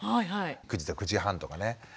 ９時と９時半とかね